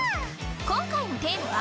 今回のテーマは。